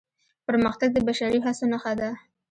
پرمختګ د بشري هڅو نښه ده.